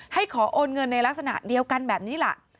ขอโอนเงินในลักษณะเดียวกันแบบนี้ล่ะ